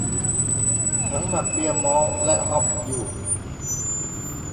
ถังเบียร์หมักมอลต์และฮอปอยู่